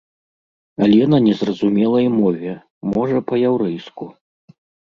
Але на незразумелай мове, можа, па-яўрэйску.